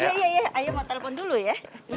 iya iya ayo mau telepon dulu ya